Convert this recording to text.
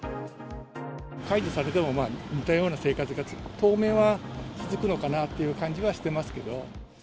解除されても似たような生活が当面は続くのかなっていう感じはしてますけど。